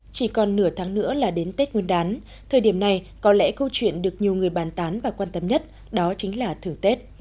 chỉ còn nửa tháng nữa là đến tết nguyên đán thời điểm này có lẽ câu chuyện được nhiều người bàn tán và quan tâm nhất đó chính là thưởng tết